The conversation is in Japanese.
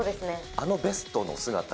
あのベストの姿。